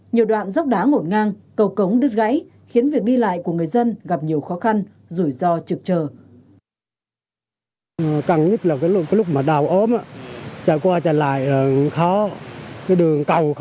nhiều đoạn dốc đá ngộn ngang cầu cống đứt gãy khiến việc đi lại của người dân gặp nhiều khó khăn rủi ro trực trở